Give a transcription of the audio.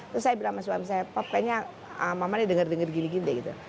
terus saya bilang sama suami saya pak kayaknya mamanya denger denger gini gini gitu